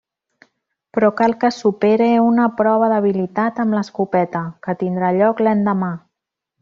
Però cal que supere una prova d'habilitat amb l'escopeta, que tindrà lloc l'endemà.